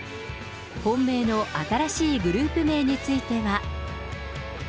本命の新しいグループ名については。